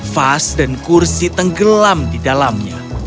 fas dan kursi tenggelam di dalamnya